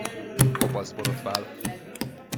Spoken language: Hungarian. Kopaszt borotvál.